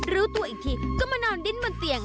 รู้ตัวอีกทีก็มานอนดิ้นบนเตียง